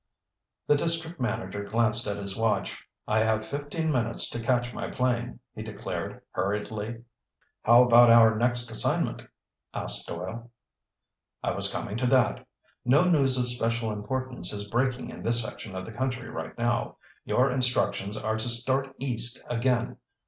The district manager glanced at his watch. "I have fifteen minutes to catch my plane," he declared hurriedly. "How about our next assignment?" asked Doyle. "I was coming to that. No news of special importance is breaking in this section of the country right now. Your instructions are to start East again.